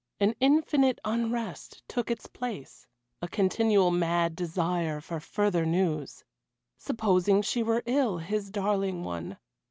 An infinite unrest took its place a continual mad desire for further news. Supposing she were ill, his darling one?